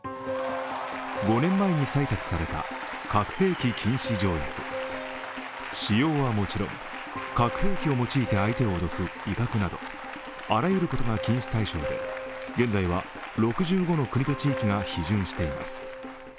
５年前に採択された核兵器禁止条約使用はもちろん、核兵器を用いて相手を脅す威嚇などあらゆることが禁止対象で、現在は６５の国と地域が批准しています。